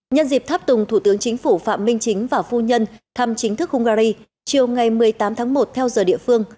nhân dịp tháp tùng thủ tướng chính phủ phạm minh chính và phu nhân thăm chính thức hungary chiều ngày một mươi tám tháng một theo giờ địa phương